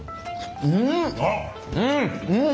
うん！